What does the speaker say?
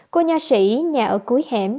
cô nhà sĩ nhà ở cuối hẻm